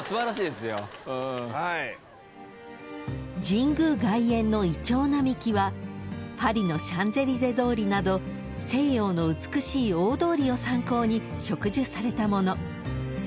［神宮外苑のいちょう並木はパリのシャンゼリゼ通りなど西洋の美しい大通りを参考に植樹されたもの］